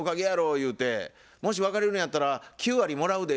言うて「もし別れるんやったら９割もらうで」